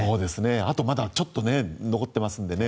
あとまだちょっと残ってますのでね。